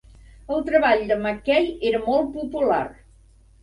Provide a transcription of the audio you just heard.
El treball de McCay era molt popular.